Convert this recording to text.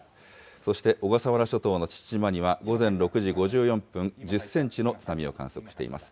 そして小笠原諸島の父島には午前６時５４分、１０センチの津波を観測しています。